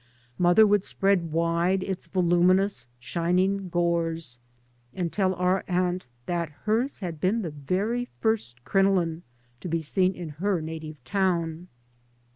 Mother would spread wide its voluminous shining gores and tell our aunt that hers had been the very first " crenolin " to be seen in her native town.